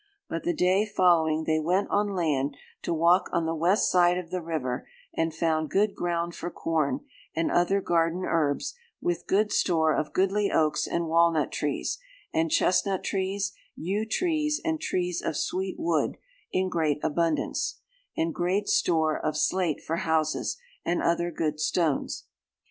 But the day following they went on land, 'to walk on the west side of the river, and found good ground for corn, and other garden herbs, with good store of goodly oaks and walnut trees, and chestnut trees, yew trees, and trees of sweet wood, in great abundance, and great store of slate for houses, and other good stones.